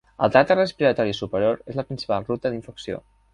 El tracte respiratori superior és la principal ruta d’infecció.